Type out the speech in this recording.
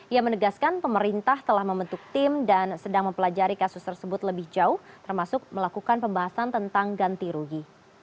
ia menegaskan pemerintah telah membentuk tim dan sedang mempelajari kasus tersebut lebih jauh termasuk melakukan pembahasan tentang ganti rugi